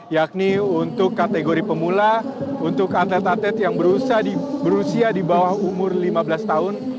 yakni untuk kategori pemula untuk atlet atlet yang berusia di bawah umur lima belas tahun